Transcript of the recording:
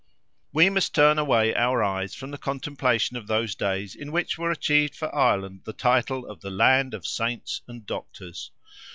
We must turn away our eyes from the contemplation of those days in which were achieved for Ireland the title of the land of saints and doctors.